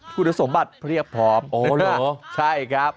คุณสมบัติพระเรียกพร้อมโอ้โหใช่ครับ